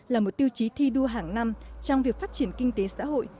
là một tiêu chí thi đua hàng năm trong việc phát triển kinh tế xã hội